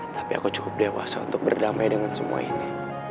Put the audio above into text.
tapi aku cukup dewasa untuk berdamai dengan semua ini